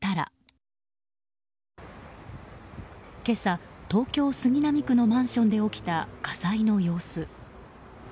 今朝、東京・杉並区のマンションで起きた火災の様子。